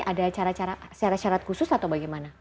ada cara syarat syarat khusus atau bagaimana